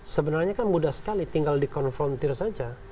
sebenarnya kan mudah sekali tinggal dikonfrontir saja